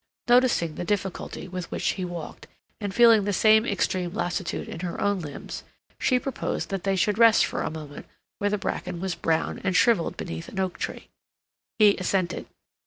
Noticing the difficulty with which he walked, and feeling the same extreme lassitude in her own limbs, she proposed that they should rest for a moment where the bracken was brown and shriveled beneath an oak tree. He assented.